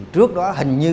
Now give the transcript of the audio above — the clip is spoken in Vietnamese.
trước đó hình như